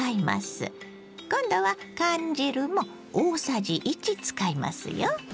今度は缶汁も大さじ１使いますよ。